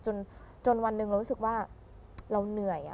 จนวันหนึ่งเรารู้สึกว่าเราเหนื่อย